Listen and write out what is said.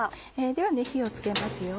では火をつけますよ。